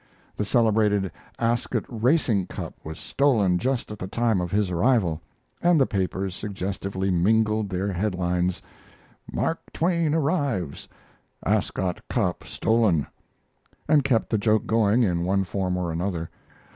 The celebrated Ascot racing cup was stolen just at the time of his arrival, and the papers suggestively mingled their head lines, "Mark Twain Arrives: Ascot Cup Stolen," and kept the joke going in one form or another.